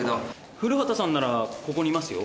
古畑さんならここにいますよ。